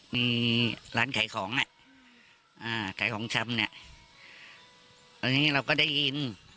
มีร้านขายของอ่ะอ่าขายของชำเนี่ยแล้วทีนี้เราก็ได้ยิน